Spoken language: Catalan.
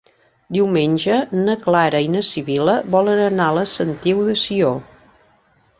Diumenge na Clara i na Sibil·la volen anar a la Sentiu de Sió.